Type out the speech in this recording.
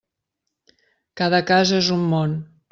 Cada casa és un món.